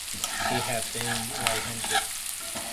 He had been right-handed.